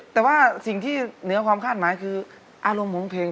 แต่ว่าสิ่งที่เหนือความคาดหมายคืออารมณ์ของเพลง